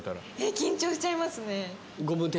緊張しちゃいますね。